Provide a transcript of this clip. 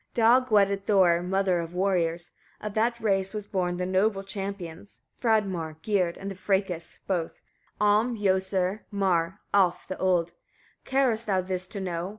19. Dag wedded Thora, mother of warriors: of that race were born the noble champions, Fradmar, Gyrd, and the Frekis both, Am, Josur, Mar, Alf the Old. Carest thou this to know?